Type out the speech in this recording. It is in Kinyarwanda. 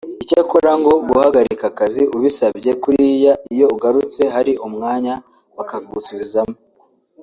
icyakora ngo guhagarika akazi ubisabye kuriya iyo ugarutse hari umwanya bakagusubizamo